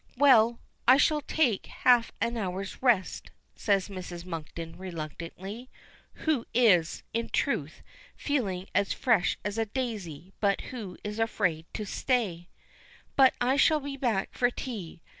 "Well, I shall take half an hour's rest," says Mrs. Monkton, reluctantly, who is, in truth, feeling as fresh as a daisy, but who is afraid to stay. "But I shall be back for tea."